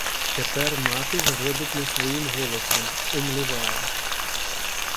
Тепер мати заводить не своїм голосом, умліває.